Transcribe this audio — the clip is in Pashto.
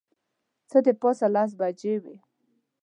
څه د پاسه لس بجې وې.